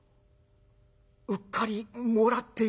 「うっかりもらっていなかった」。